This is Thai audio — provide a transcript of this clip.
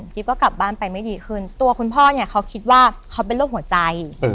ก็กลับบ้านไปไม่ดีขึ้นตัวคุณพ่อเนี่ยเขาคิดว่าเขาเป็นโรคหัวใจ